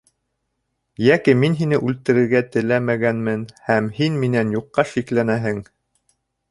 Йәки мин һине үлтерергә теләмәгәнмен, һәм һин минән юҡҡа шикләнәһең.